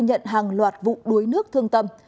nhận hàng loạt vụ đuối nước thương tâm